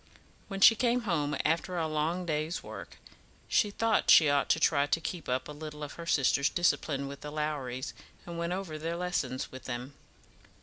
When she came home after a long day's work, she thought she ought to try to keep up a little of her sister's discipline with the Lowries, and went over their lessons with them.